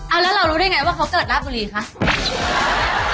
เอาแล้วเรารู้ได้ไงว่าเขาเกิดราบบุรีคะ